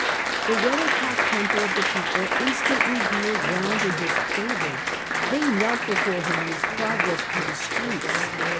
The weathercock temper of the people instantly veered round in his favour. They knelt before him in his progress through the streets.